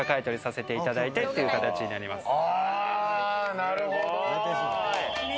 なるほど。